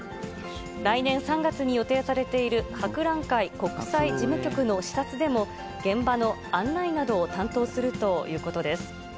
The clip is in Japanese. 来年３月に予定されている博覧会国際事務局の視察でも、現場の案内などを担当するということです。